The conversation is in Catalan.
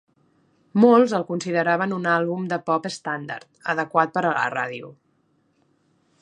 Molts el consideraven un àlbum de pop estàndard, adequat per a la ràdio.